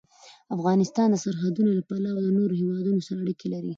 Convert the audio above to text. افغانستان د سرحدونه له پلوه له نورو هېوادونو سره اړیکې لري.